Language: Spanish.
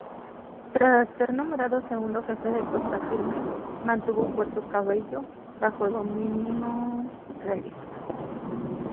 Tras ser nombrado segundo jefe de Costa Firme, mantuvo Puerto Cabello bajo dominio realista.